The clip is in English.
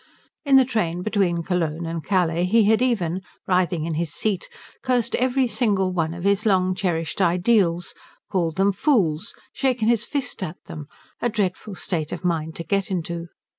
In the train between Cologne and Calais he had even, writhing in his seat, cursed every single one of his long cherished ideals, called them fools, shaken his fist at them; a dreadful state of mind to get to.